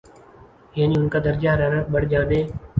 یعنی ان کا درجہ حرارت بڑھ جانے